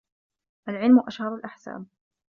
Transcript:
العِلْمُ أشهر الأحساب